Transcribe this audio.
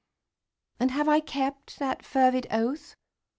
And have I kept that fervid oath?